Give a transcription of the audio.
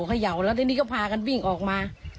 แล้วตอนนี้ก็พากันวิ่งออกมา